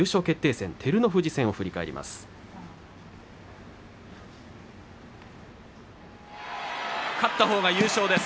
戦照ノ富士戦を振り返ります。